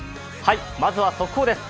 まずは速報です。